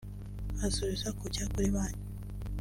asubiza “kujya kuri banki